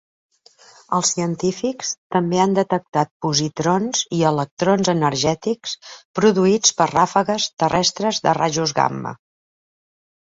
Els científics també han detectat positrons i electrons energètics produïts per ràfegues terrestres de rajos gamma.